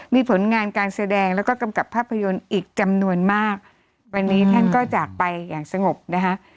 มีผลงานการแสดงแล้วก็กำกับภาพยนตร์อีกจำนวนมากวันนี้ท่านก็จากไปอย่างสงบนะคะ